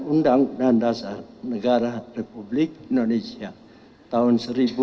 undang undang dasar negara republik indonesia tahun seribu sembilan ratus empat puluh lima